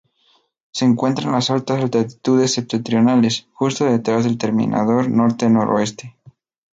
Se encuentra en las altas latitudes septentrionales, justo detrás del terminador norte-noroeste.